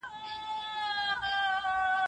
څنګه سخت کار د انسان ژوند په بشپړه توګه بدلوي؟